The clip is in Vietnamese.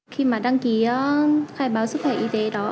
khi mà đăng ký khai báo sức khỏe y tế đó